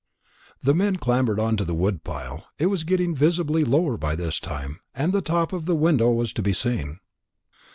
The men clambered on to the wood pile. It was getting visibly lower by this time, and the top of the window was to be seen.